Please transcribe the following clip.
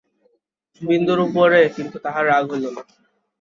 বিন্দুর উপরে কিন্তু তাহার রাগ হইল না।